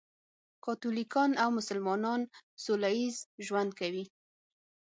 کاتولیکان او مسلمانان سولهییز ژوند کوي.